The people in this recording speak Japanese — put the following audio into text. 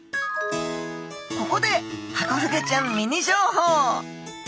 ここでハコフグちゃんミニ情報！